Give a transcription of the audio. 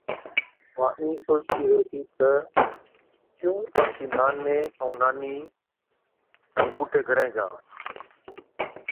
وا اِين سوچتِي ريهٿِي تہ ڪِيُون آپڪي ناني ائُون نانِي پُوٺِي گھرين جان۔